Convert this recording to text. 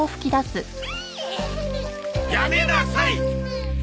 やめなさい！